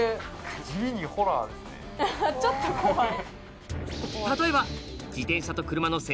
ちょっと怖い。